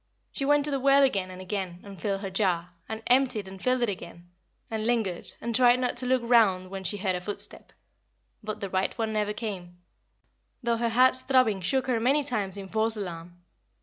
She went to the well again and again and filled her jar, and emptied and filled it again, and lingered, and tried not to look round when she heard a footstep; but the right one never came, though her heart's throbbing shook her many times in false alarm.